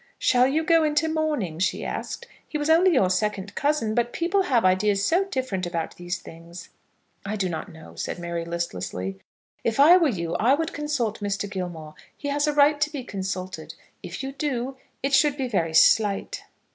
"Shall you go into mourning?" she asked; "he was only your second cousin; but people have ideas so different about those things." "I do not know," said Mary, listlessly. "If I were you, I would consult Mr. Gilmore. He has a right to be consulted. If you do, it should be very slight."